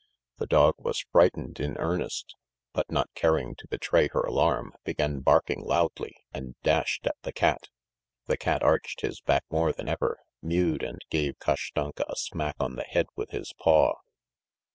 The dog was frightened in earnest, but not caring to betray her alarm, began barking loudly and dashed at the cat .... The cat arched his back more than ever, mewed and gave Kashtanka a smack on the head with his paw.